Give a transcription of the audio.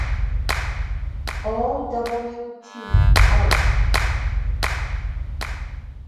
O-W-T - Out!!